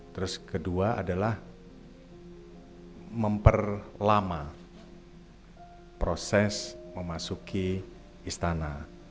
terus kedua adalah memperlama proses memasuki istana